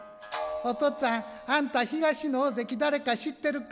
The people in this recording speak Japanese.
「おとっつぁんあんた東の大関誰か知ってるか」。